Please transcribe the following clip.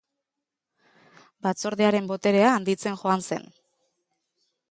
Batzordearen boterea handitzen joan zen.